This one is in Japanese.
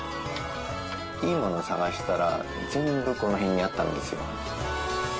いいものを探したら全部この辺にあったんですよ。